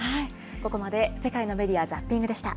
ここまで世界のメディア・ザッピングでした。